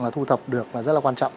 thu thập được là rất là quan trọng